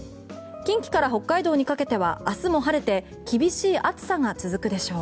近畿から北海道にかけては明日も晴れて厳しい暑さが続くでしょう。